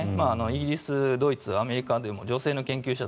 イギリス、ドイツ、アメリカでも女性の研究者